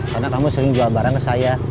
karena kamu sering jual barang ke saya